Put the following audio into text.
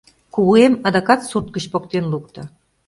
Кугыэм адакат сурт гыч поктен лукто...